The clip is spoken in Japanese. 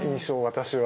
私は。